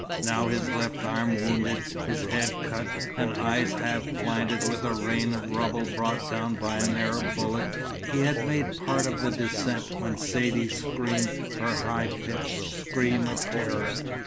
Now, his left arm wounded, his head cut, and eyes half blinded with a rain of rubble brought down by an Arab bullet, he had made part of the descent when Saidee screamed her high pitched scream of terror.